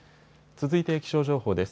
続いて気象情報です。